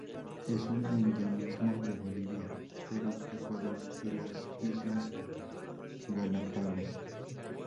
Es un endemismo de Bolivia, Perú, Ecuador y las islas Galápagos.